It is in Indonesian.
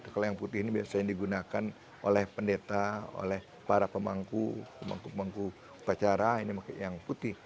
kalau yang putih ini biasanya digunakan oleh pendeta oleh para pemangku pemangku pemangku upacara ini yang putih